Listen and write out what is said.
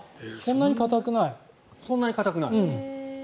そんなに硬くない。